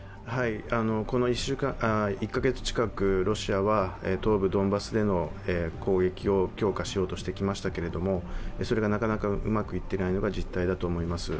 この１カ月近く、ロシアは東部ドンバスでの攻撃を強化しようとしてきましたけれどもそれがなかなか、うまくいっていないのが実態だと思います。